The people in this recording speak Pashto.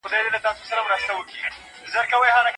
اسکیمویان او یونانیان بېلابېل کلتورونه لري.